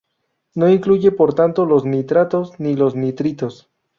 No incluye, por tanto, los nitratos ni los nitritos.